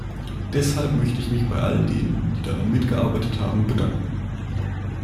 Deshalb möchte ich mich bei all denen, die daran mitgearbeitet haben, bedanken.